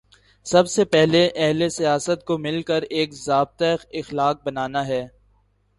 سب سے پہلے اہل سیاست کو مل کر ایک ضابطۂ اخلاق بنانا ہے۔